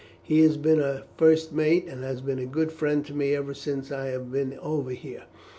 He has been a first mate, and has been a good friend to me ever since I have been over here.